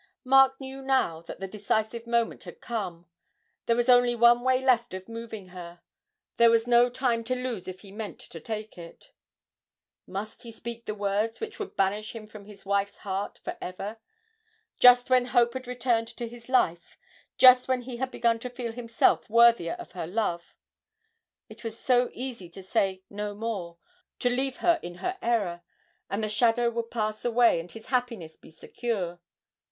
Mark knew now that the decisive moment had come: there was only one way left of moving her; there was no time to lose if he meant to take it. Must he speak the words which would banish him from his wife's heart for ever, just when hope had returned to his life, just when he had begun to feel himself worthier of her love? It was so easy to say no more, to leave her in her error, and the shadow would pass away, and his happiness be secure.